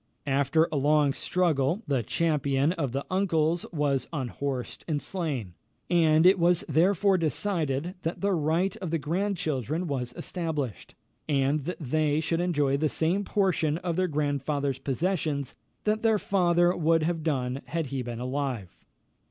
After a long struggle, the champion of the uncles was unhorsed and slain; and it was therefore decided that the right of the grandchildren was established, and that they should enjoy the same portion of their grandfather's possessions that their father would have done had he been alive.